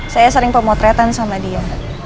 saya sering pemotretan sama dia